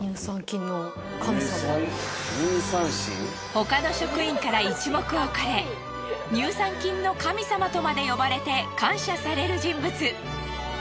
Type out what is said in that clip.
他の職員から一目置かれ乳酸菌の神様とまで呼ばれて感謝される人物。